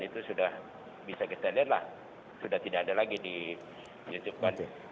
itu sudah bisa kita lihat lah sudah tidak ada lagi di youtube kan